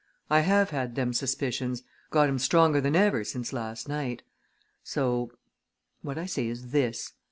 I have had them suspicions got 'em stronger than ever since last night. So what I say is this.